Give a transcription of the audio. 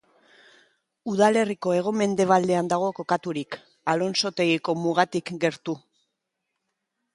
Udalerriko hego mendebaldean dago kokaturik, Alonsotegiko mugatik gertu.